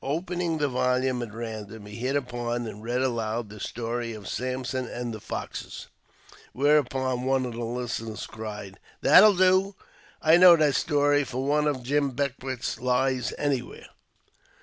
Opening the volume at random, he hit upon and read aloud the story of Samson and the foxes. Where upon one of the listeners cried :* That'll do ! I'd know that story for one of Jim Beckwourth's lies anywhere